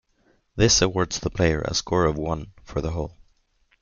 This awards the player a score of one for the hole.